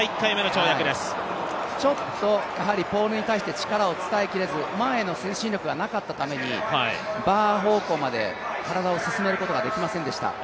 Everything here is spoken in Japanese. ちょっとポールに対して力を使い切れず、前への推進力がなかったために、バー方向まで体を進めることができませんでした。